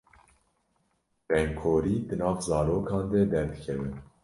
Rengkorî di nav zarokan de derdikeve.